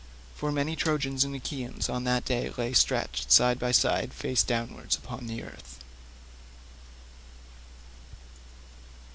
For many Trojans and Achaeans on that day lay stretched side by side face downwards upon the earth.